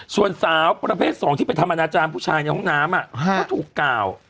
ส่วนสาวประเภท๒ที่ไปทำอนาจารย์ผู้ชายในห้องน้ำเขาถูกกล่าว